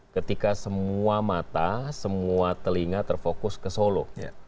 ketika semua mata semua telinga terfokus ke solo